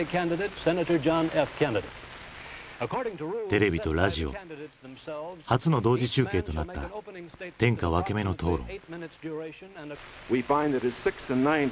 テレビとラジオ初の同時中継となった天下分け目の討論。